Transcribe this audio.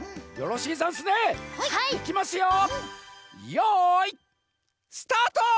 よいスタート！